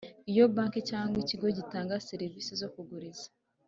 Iyo banki cyangwa ikigo gitanga serivisi zo kuguriza